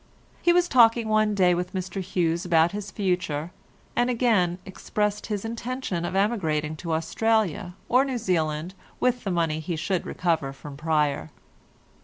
He was talking one day with Mr Hughes about his future, and again expressed his intention of emigrating to Australia or New Zealand with the money he should recover from Pryer.